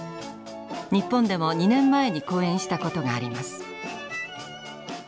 日本でも２年前に公演したことがあります。